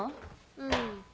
うん。